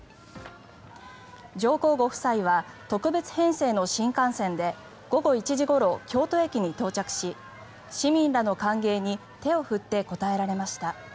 上皇ご夫妻は特別編成の新幹線で午後１時ごろ京都駅に到着し市民らの歓迎に手を振って応えられました。